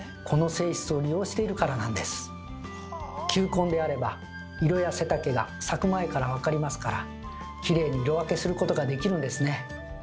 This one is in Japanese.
球根であれば色や背丈が咲く前から分かりますからきれいに色分けすることができるんですね。